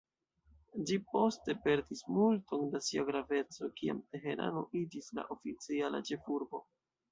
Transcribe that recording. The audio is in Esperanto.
Ĝi poste perdis multon da sia graveco, kiam Teherano iĝis la oficiala ĉefurbo.